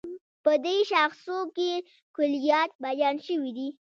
په دې شاخصو کې کُليات بیان شوي دي.